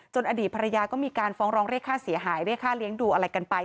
อดีตภรรยาก็มีการฟ้องร้องเรียกค่าเสียหายเรียกค่าเลี้ยงดูอะไรกันไป